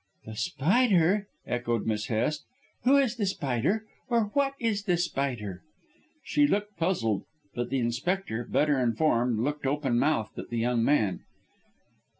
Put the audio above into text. "The Spider!" echoed Miss Hest. "Who is The Spider, or what is The Spider?" She looked puzzled, but the Inspector, better informed, looked open mouthed at the young man.